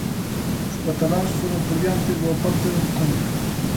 Os cataláns foron por diante boa parte do encontro.